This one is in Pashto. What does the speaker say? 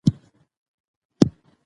پښتو ژبه زموږ د ویاړلو نیکونو ژبه ده.